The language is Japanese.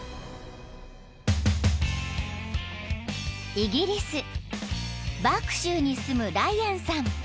［イギリスバーク州に住むライアンさん］